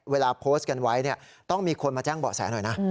เวลาโพสต์กันไว้ต้องมีคนมาแจ้งเบาะแสหน่อยนะ